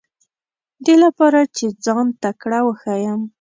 دې لپاره چې ځان تکړه وښیم.